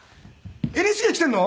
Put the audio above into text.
ＮＨＫ来ているの？」。